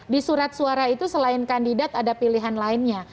di surat suara itu selain kandidat ada pilihan lainnya